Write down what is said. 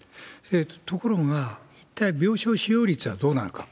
ところが、一体病床使用率はどうなのか。